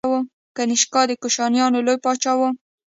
کنیشکا د کوشانیانو لوی پاچا و.